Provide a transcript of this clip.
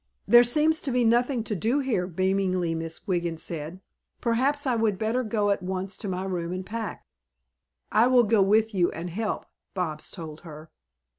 "There seems to be nothing to do here," beamingly Miss Wiggin said. "Perhaps I would better go at once to my room and pack." "I will go with you and help," Bobs told her.